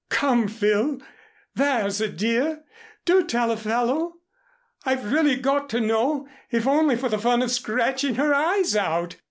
"Come, Phil, there's a dear. Do tell a fellow. I've really got to know, if only for the fun of scratching her eyes out.